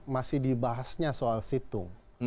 masih dibahasnya soal situng